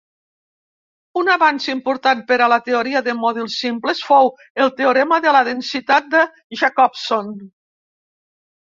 Un avanç important per a la teoria de mòduls simples fou el teorema de la densitat de Jacobson.